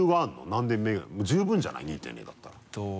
何で目がもう十分じゃない２．０だったら。